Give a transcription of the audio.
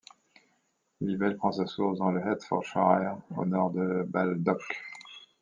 L'Ivel prend sa source dans le Hertfordshire, au nord de Baldock.